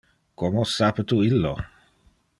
Como sape tu illo?